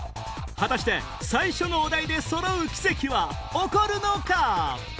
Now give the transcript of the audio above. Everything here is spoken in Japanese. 果たして最初のお題で揃う奇跡は起こるのか？